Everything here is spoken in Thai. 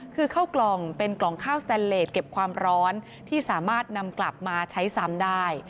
คือเข้ากล่องเป็นกล่องข้าวสแตนเลสเก็บความร้อนที่สามารถนำกลับมาใช้ซ้ำได้